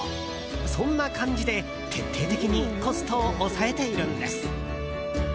そんな感じで徹底的にコストを抑えているんです。